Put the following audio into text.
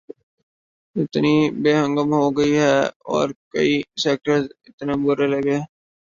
اتنی بے ہنگم ہو گئی ہے اور کئی سیکٹرز اتنے برے لگنے